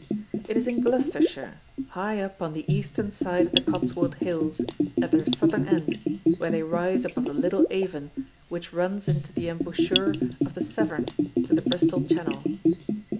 It is in Gloucestershire high up on the eastern side of the Cotswold Hills at their southern end where they rise above the Little Avon which runs into the embouchure of the Severn to the Bristol Channel.